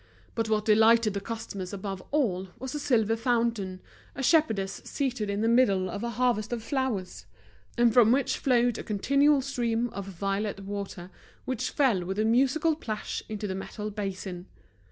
But what delighted the customers above all was a silver fountain, a shepherdess seated in the middle of a harvest of flowers, and from which flowed a continual stream of violet water, which fell with a musical plash into the metal basin.